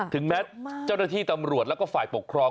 ถึงแม้เจ้าหน้าที่ตำรวจแล้วก็ฝ่ายปกครอง